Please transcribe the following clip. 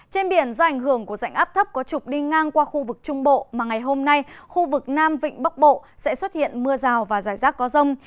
trên biển do ảnh hưởng của dạnh áp thấp có trục đi ngang qua khu vực trung bộ mà ngày hôm nay khu vực nam vịnh bắc bộ sẽ xuất hiện mưa rào và rải rác có rông